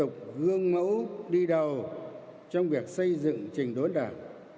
lực lượng công an nhân dân cần tiếp tục gương mẫu đi đầu trong việc xây dựng trình đối đảng